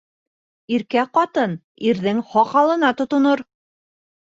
Иркә ҡатын ирҙең һаҡалына тотонор.